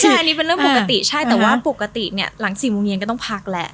ใช่อันนี้เป็นเรื่องปกติใช่แต่ว่าปกติเนี่ยหลัง๔โมงเย็นก็ต้องพักแหละ